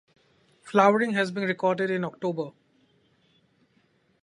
Flowering has been recorded in October.